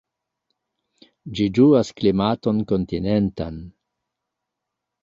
Ĝi ĝuas klimaton kontinentan.